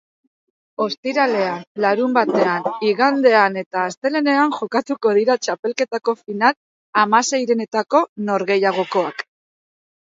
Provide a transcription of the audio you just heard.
Ostiralean, larunbatean, igandean eta astelehenean jokatuko dira txapelketako final hamseirenetako norgehiagokak.